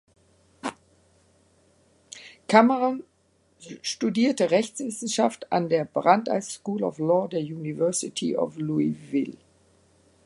Cameron studierte Rechtswissenschaft an der Brandeis School of Law der University of Louisville.